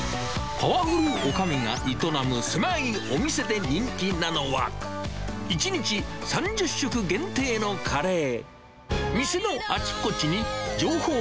パワフルおかみが営む狭いお店で人気なのは、１日３０食限定のカレー。